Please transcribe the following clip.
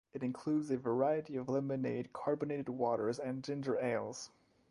It includes a variety of lemonade, carbonated waters and ginger ales.